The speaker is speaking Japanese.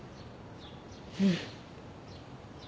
うん。